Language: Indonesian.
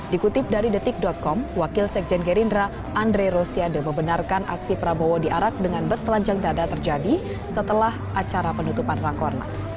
dikutip dari detik com wakil sekjen gerindra andre rosiade membenarkan aksi prabowo diarak dengan bertelanjang dada terjadi setelah acara penutupan rakornas